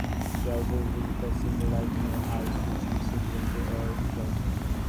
She also released the single "Light In Your Eyes," which received limited airplay.